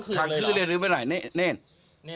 เคยครับเลยหรือป่าวครั้งคืนแน่นรู้ไหมแน่น